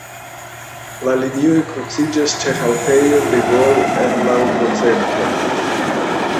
La linioj kruciĝas ĉe haltejo "De Gaulle" en la urbocentro.